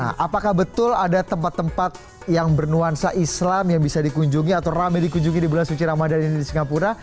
nah apakah betul ada tempat tempat yang bernuansa islam yang bisa dikunjungi atau rame dikunjungi di bulan suci ramadan ini di singapura